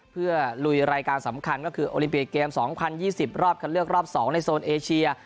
เพื่อลุยรายการสำคัญก็คือโอลิมปิกเกม๒๐๒๐รอบคันเลือกรอบ๒ในโซนเอเชีย